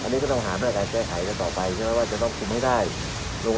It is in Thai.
วันนี้ก็อยากจะตามเรียนว่าอืมเราทำมาถึงวันนี้ได้นะ